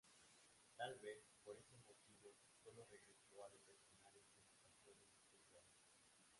Tal vez por ese motivo solo regresó a los escenarios en ocasiones especiales.